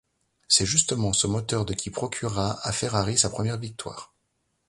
C'est justement ce moteur de qui procura à Ferrari sa première victoire.